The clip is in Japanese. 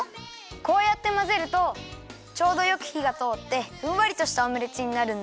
こうやってまぜるとちょうどよくひがとおってふんわりとしたオムレツになるんだよ。